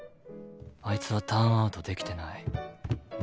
あいつはターンアウトできてない。